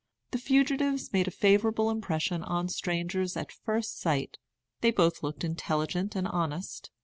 The fugitives made a favorable impression on strangers at first sight. They both looked intelligent and honest.